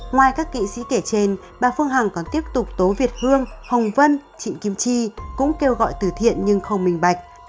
ngoài các kỵ sĩ kể trên bà phương hằng còn tiếp tục tố việt hương hồng vân trịnh kim chi cũng kêu gọi từ thiện nhưng không minh bạch